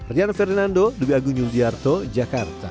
rian fernando dubi agung yudhiyarto jakarta